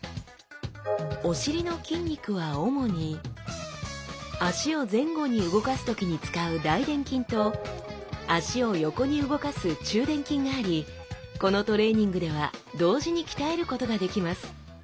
お尻の筋肉は主に脚を前後に動かす時に使う大臀筋と脚を横に動かす中臀筋がありこのトレーニングでは同時に鍛えることができます。